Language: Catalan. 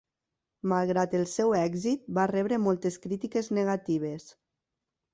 Malgrat el seu èxit, va rebre moltes crítiques negatives.